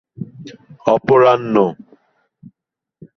যেমন গান শোনা থেকে শুরু করে ছোট আকারের গবেষণা পর্যন্ত।